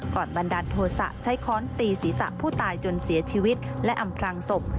บันดาลโทษะใช้ค้อนตีศีรษะผู้ตายจนเสียชีวิตและอำพลางศพ